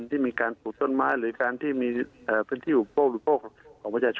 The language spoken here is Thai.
ที่มีการปลูกต้นไม้หรือการที่มีพื้นที่อุปโภคบริโภคของประชาชน